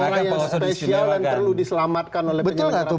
orang yang spesial dan perlu diselamatkan oleh penyelenggara pemilu